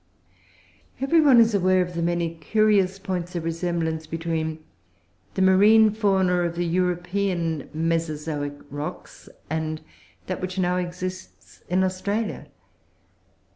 Every one is aware of the many curious points of resemblance between the marine fauna of the European Mesozoic rocks and that which now exists in Australia.